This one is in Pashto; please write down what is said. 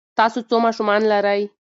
تاسو څو ماشومان لرئ؟